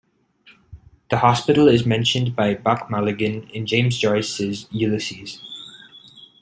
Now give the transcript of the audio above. The hospital is mentioned by Buck Mulligan in James Joyce's "Ulysses".